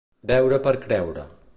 Veure per creure.